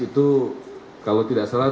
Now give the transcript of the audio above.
itu kalau tidak salah